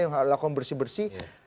yang hal hal bersih bersih